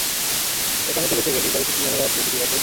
এখানে তো বেঁচে গেলি, প্যারিসে কিভাবে বাঁঁচবি, কিজি বাসু?